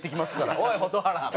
「おい蛍原！」。